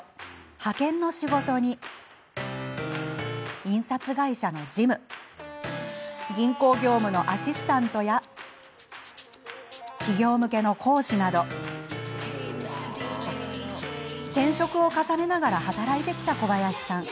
派遣の仕事に、印刷会社の事務銀行業務のアシスタントや企業向けの講師など転職を重ねながら働いてきた小林さん。